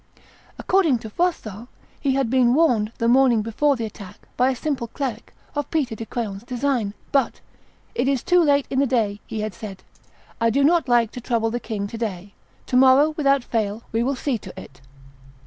According to Froissart, he had been warned, the morning before the attack, by a simple cleric, of Peter de Craon's design; but, "It is too late in the day," he had said; "I do not like to trouble the king to day; to morrow, without fail, we will see to it."